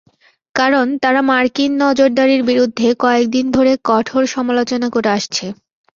কারণ, তারা মার্কিন নজরদারির বিরুদ্ধে কয়েক দিন ধরে কঠোর সমালোচনা করে আসছে।